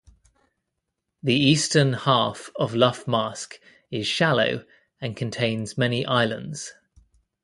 The eastern half of Lough Mask is shallow and contains many islands.